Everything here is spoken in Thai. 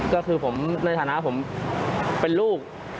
ก็คือในธนาควรเป็นลูก